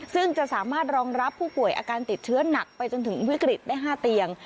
ซึ่งจะสามารถรองรับผู้ป่วยอาการติดเชื้อหนักไปจนถึงวิกฤตได้๕เตียง